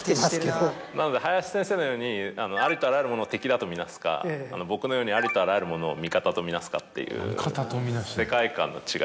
なので林先生のようにありとあらゆるものを敵だと見なすか僕のようにありとあらゆるものを味方と見なすかっていう。